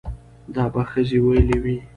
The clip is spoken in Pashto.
دا به ښځې ويلې وي